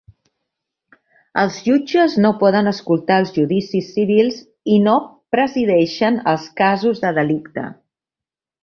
Els jutges no poden escoltar els judicis civils i no presideixen els casos de delicte.